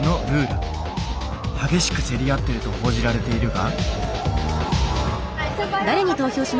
激しく競り合っていると報じられているが。